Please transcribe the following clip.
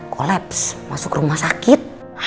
collapse masuk rumah sakit